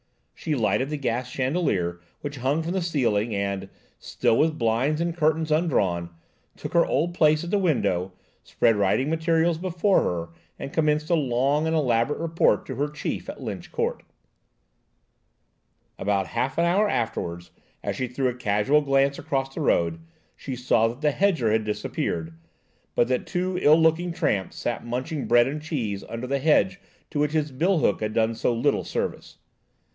She lighted the gas chandelier which hung from the ceiling and, still with blinds and curtains undrawn, took her old place at the window, spread writing materials before her and commenced a long and elaborate report to her chief at Lynch Court. SHE LIGHTED THE GAS. About half an hour afterwards, as she threw a casual glance across the road, she saw that the hedger had disappeared, but that two ill looking tramps sat munching bread and cheese under the hedge to which his bill hook had done so little service.